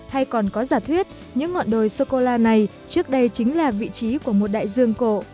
hay còn có giả thuyết những ngọn đồi sô cô la này trước đây chính là vị trí của một đại dương cổ